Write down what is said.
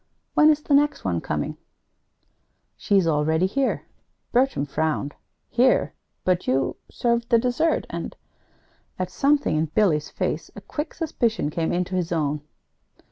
When is the next one coming?" "She's already here." Bertram frowned. "Here? But you served the dessert, and " At something in Billy's face, a quick suspicion came into his own.